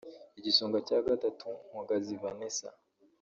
Igisonga cya Gatatu Mpogazi Vanessa